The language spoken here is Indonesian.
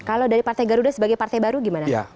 kalau dari partai garuda sebagai partai baru gimana